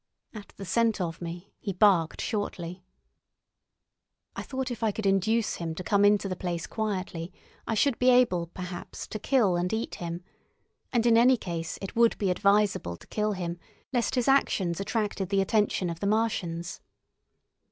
At the scent of me he barked shortly. I thought if I could induce him to come into the place quietly I should be able, perhaps, to kill and eat him; and in any case, it would be advisable to kill him, lest his actions attracted the attention of the Martians.